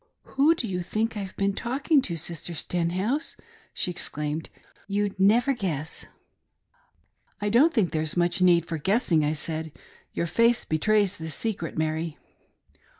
"Who do you think I've been talking to. Sister Sten house ?" she exclaimed, " You'd never guess." " I don't think there's much need for guessing," I said,. "Your face betrays the secret, Mary."